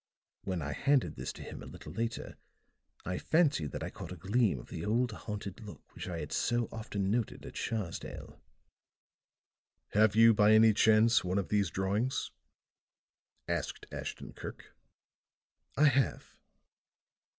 When I handed this to him a little later I fancied that I caught a gleam of the old haunted look which I had so often noted at Sharsdale." "Have you, by any chance, one of these drawings?" asked Ashton Kirk. "I have."